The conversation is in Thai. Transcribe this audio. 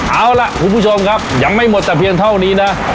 เอาล่ะคุณผู้ชมครับยังไม่หมดแต่เพียงเท่านี้นะ